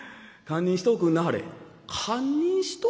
「『堪忍しておくんなはれ』？